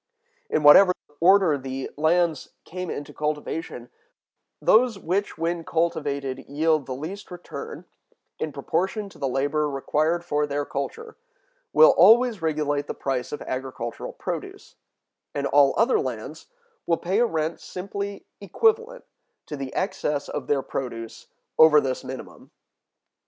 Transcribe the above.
In whatever order the lands come into cultivation, those which when cultivated yield the least return, in proportion to the labor required for their culture, will always regulate the price of agricultural produce; and all other lands will pay a rent simply equivalent to the excess of their produce over this minimum.